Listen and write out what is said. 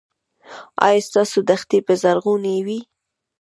ایا ستاسو دښتې به زرغونې وي؟